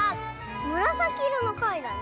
むらさきいろのかいだね。